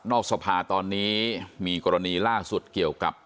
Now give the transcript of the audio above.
สภาตอนนี้มีกรณีล่าสุดเกี่ยวกับ